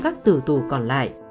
các tử tù còn lại